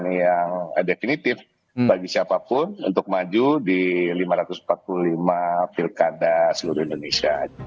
yang definitif bagi siapapun untuk maju di lima ratus empat puluh lima pilkada seluruh indonesia